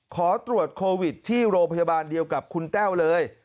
ขอตรวจโควิดที่โรงพยาบาลเดียวกับคุณแต้วเลย